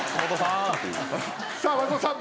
さあ松本さん